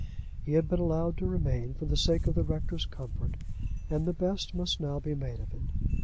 He had been allowed to remain for the sake of the rector's comfort, and the best must now be made of it.